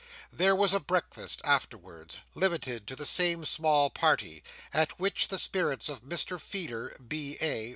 There was a breakfast afterwards, limited to the same small party; at which the spirits of Mr Feeder, B.A.